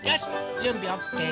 じゅんびオッケー！